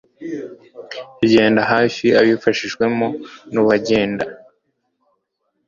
Agenda hafi abifashijwemo nuwagenda.